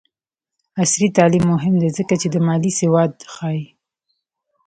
عصري تعلیم مهم دی ځکه چې د مالي سواد ښيي.